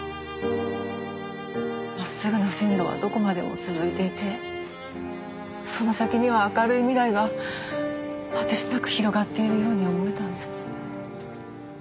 真っすぐな線路はどこまでも続いていてその先には明るい未来が果てしなく広がっているように思えたんです。